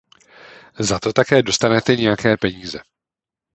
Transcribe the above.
Za to také dostanete nějaké peníze.